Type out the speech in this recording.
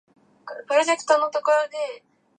季節は次々死んでいく